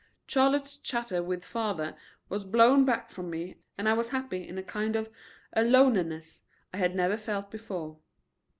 Charlotte's chatter with father was blown back from me and I was happy in a kind of aloneness I had never felt before.